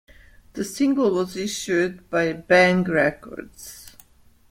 The single was issued by Bang Records.